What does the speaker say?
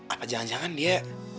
apa jangan jangan dia